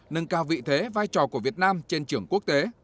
nâng cao vị thế vai trò của việt nam trên trường quốc tế